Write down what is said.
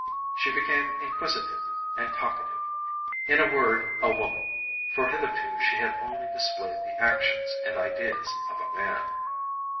She became inquisitive and talkative, in a word a woman, for hitherto she had only displayed the actions and ideas of a man.